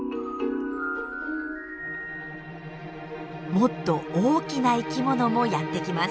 もっと大きな生きものもやって来ます。